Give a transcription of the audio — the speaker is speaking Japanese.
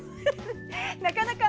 なかなか。